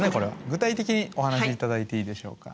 具体的にお話し頂いていいでしょうか。